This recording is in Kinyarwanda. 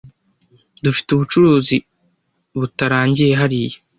Dufite ubucuruzi butarangiye hariya.